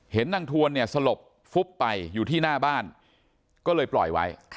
นางทวนเนี่ยสลบฟุบไปอยู่ที่หน้าบ้านก็เลยปล่อยไว้